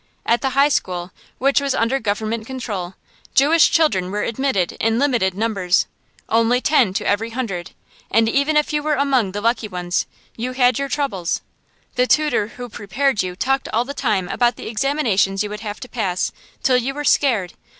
At the high school, which was under government control, Jewish children were admitted in limited numbers, only ten to every hundred, and even if you were among the lucky ones, you had your troubles. The tutor who prepared you talked all the time about the examinations you would have to pass, till you were scared.